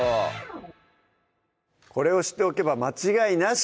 これを知っておけば間違いなし！